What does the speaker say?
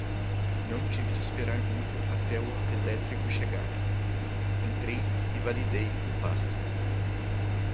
Não tive de esperar muito até o elétrico chegar. Entrei e validei o passe.